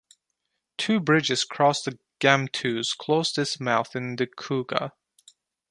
Two bridges cross the Gamtoos close to its mouth in the Kouga.